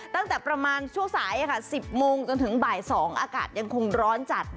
ตั้งแต่ประมาณช่วงสาย๑๐โมงจนถึงบ่าย๒อากาศยังคงร้อนจัด